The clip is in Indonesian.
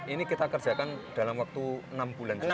ini kita kerjakan dalam waktu enam bulan juga